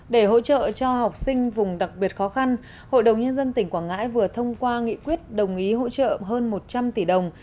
để hỗ trợ cho học sinh vùng đặc biệt khó khăn hội đồng nhân dân tỉnh quảng ngãi vừa thông qua nghị quyết đồng ý hỗ trợ hơn một trăm linh tỷ đồng